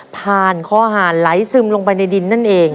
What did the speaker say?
ผ่านคอหารไหลซึมลงไปในดินนั่นเอง